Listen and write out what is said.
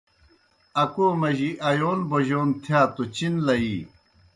اکو مجی آیون بوجون تِھیا توْ چِن لیِی۔